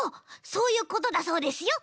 そういうことだそうですよ